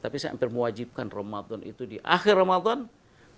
tapi saya hampir mewajibkan ramadhan itu di akhir ramadhan itu